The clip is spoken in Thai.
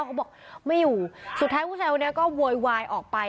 เขาบอกไม่อยู่สุดท้ายผู้ชายคนนี้ก็โวยวายออกไป